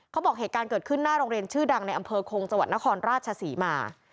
เหตุการณ์เกิดขึ้นหน้าโรงเรียนชื่อดังในอำเภอคงจังหวัดนครราชศรีมา